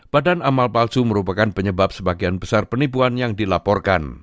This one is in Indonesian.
badan amal palsu merupakan penyebab sebagian besar penipuan yang dilaporkan